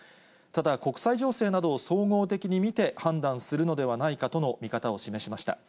ただ国際情勢などを総合的に見て、判断するのではないかとの見方を示しました。